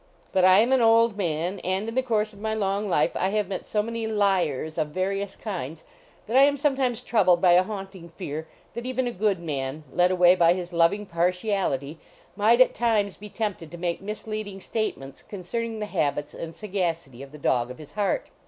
But I am an old man, and in the course of my long life I have met so many liars of various kinds that I am sometimes troubled by a haunting fear that even a good man, led away by his loving partiality, might at times be tempted to make misleading statements concerning the habits and sagacity of the dog of his heart.